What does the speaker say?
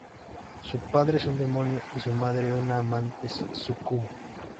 Su padre es un demonio y su madre una amante súcubo.